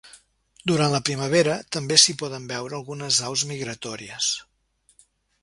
Durant la primavera també s’hi poden veure algunes aus migratòries.